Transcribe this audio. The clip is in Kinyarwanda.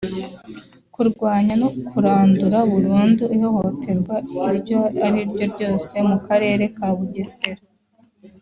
kurwanya no kurandura burundu ihohoterwa iryo ari ryo ryose mu Karere ka Bugesera